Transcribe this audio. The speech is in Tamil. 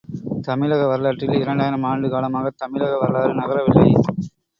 தமிழக வரலாற்றில் இரண்டாயிரம் ஆண்டு காலமாகத் தமிழக வரலாறு நகரவில்லை.